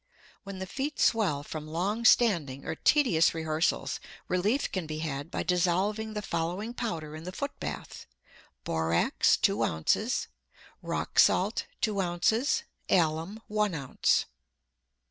When the feet swell from long standing or tedious rehearsals, relief can be had by dissolving the following powder in the foot bath: Borax, two ounces; rock salt, two ounces; alum, one ounce.